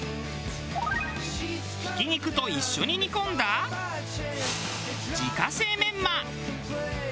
ひき肉と一緒に煮込んだ自家製メンマ。